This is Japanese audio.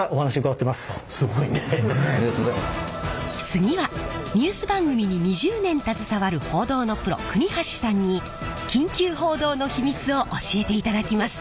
次はニュース番組に２０年携わる報道のプロ国橋さんに緊急報道の秘密を教えていただきます。